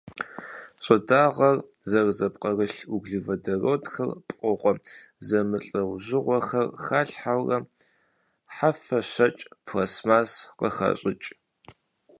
Щӏыдагъэр зэрызэпкърылъ углеводородхэм пкъыгъуэ зэмылӏэужьыгъуэхэр халъхьэурэ хьэфэ, щэкӏ, пластмасс къыхащӏыкӏ.